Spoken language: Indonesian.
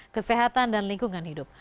kesehatan dan lingkungan hidup